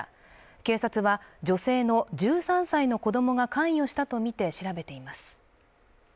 警察は女性の１３歳の子供が関与したとみて調べています